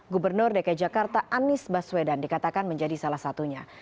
gubernur dki jakarta anies baswedan dikatakan menjadi salah satunya